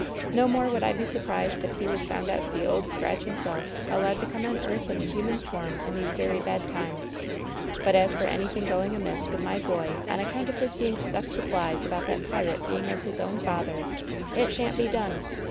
No more would I be surprised if he was found out to be Old Scratch himself, allowed to come on earth in the human form in these very bad times. But as for anything going amiss with my boy on account of his being stuffed with lies about that pirate being of his own father, it shan't be done